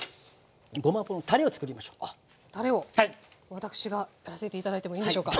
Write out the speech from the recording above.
私がやらせて頂いてもいいんでしょうか？